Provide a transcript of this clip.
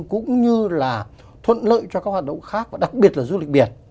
cũng như là thuận lợi cho các hoạt động khác và đặc biệt là du lịch biển